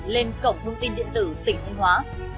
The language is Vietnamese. lên cổng thông tin điện tử tỉnh thanh hóa